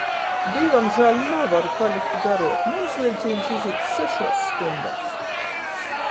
Dīvamžāļ navaru palikt garuok — muns viļcīņs izīt sešuos stuņdēs.